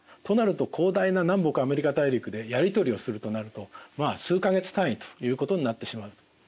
となると広大な南北アメリカ大陸でやり取りをするとなるとまあ数か月単位ということになってしまう。